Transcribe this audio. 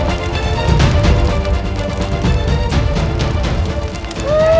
ya allah dewa